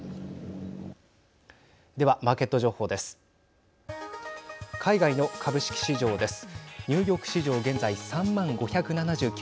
では、マーケット情報です。